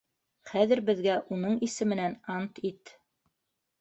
Хәҙер беҙгә уның исеменән ант ит.